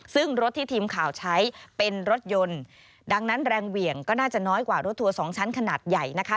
ซึ่งรถที่ทีมข่าวใช้เป็นรถยนต์ดังนั้นแรงเหวี่ยงก็น่าจะน้อยกว่ารถทัวร์สองชั้นขนาดใหญ่นะคะ